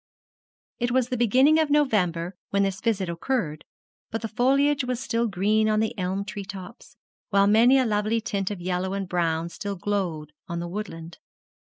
It was the beginning of November when this visit occurred, but the foliage was still green on the elm tree tops, while many a lovely tint of yellow and brown still glowed on the woodland.